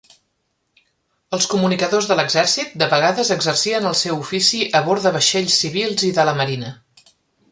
Els comunicadors de l'exèrcit de vegades exercien el seu ofici a bord de vaixells civils i de la Marina.